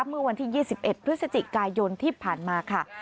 เมื่อวันที่ยี่สิบเอ็ดพฤศจิกายโยนที่ผ่านมาค่ะ